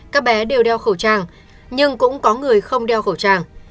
các bé đều đeo khẩu trang nhưng cũng có người không đeo khẩu trang